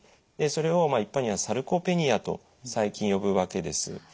でそれを一般にはサルコペニアと最近呼ぶわけです。